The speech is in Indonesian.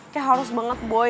kayak harus banget boy